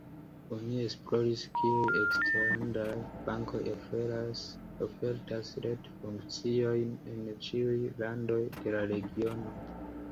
Oni esploris kiuj eksterlandaj bankoj ofertas retfunkciojn en ĉiuj landoj de la regiono.